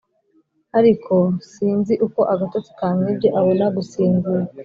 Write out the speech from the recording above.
ariko sinzi uko agatotsi kamwibye abona gusinzira.